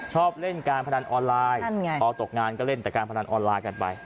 ชอบเล่นการพนันออนไลน์พอตกงานก็เล่นแต่การพนันออนไลน์กันไป